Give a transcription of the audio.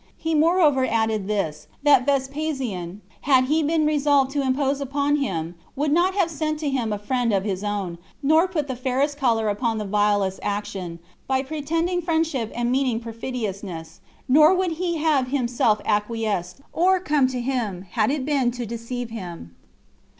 He moreover added this, that Vespasian, had he been resolved to impose upon him, would not have sent to him a friend of his own, nor put the fairest color upon the vilest action, by pretending friendship and meaning perfidiousness; nor would he have himself acquiesced, or come to him, had it been to deceive him.